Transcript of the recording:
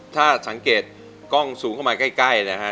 ถ้ากล้องมาที่๔๐นิดนึงอาจจะด้วยค่ะ